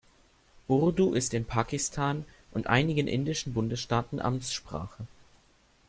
Urdu ist in Pakistan und einigen indischen Bundesstaaten Amtssprache.